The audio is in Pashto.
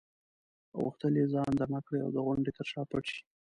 او غوښتل یې ځان دمه کړي او د غونډې تر شا پټ شي.